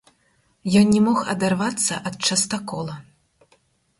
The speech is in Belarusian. Ён не мог адарвацца ад частакола.